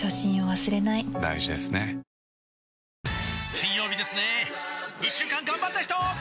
金曜日ですね一週間がんばった人！